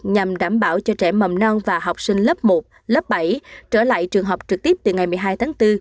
nhằm đảm bảo cho trẻ mầm non và học sinh lớp một lớp bảy trở lại trường học trực tiếp từ ngày một mươi hai tháng bốn